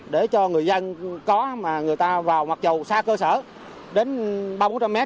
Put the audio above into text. để cho người dân có mà người ta vào mặt chầu xa cơ sở đến ba trăm linh bốn trăm linh m